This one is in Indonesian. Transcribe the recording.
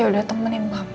aku juga mau ke kuburan papa